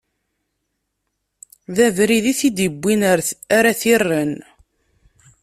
D abrid i t-id-iwwin ara t-irren.